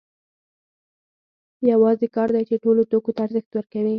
یوازې کار دی چې ټولو توکو ته ارزښت ورکوي